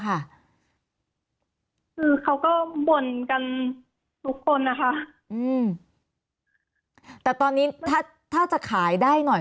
คือเขาก็บ่นกันทุกคนนะคะอืมแต่ตอนนี้ถ้าถ้าจะขายได้หน่อย